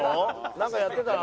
なんかやってた？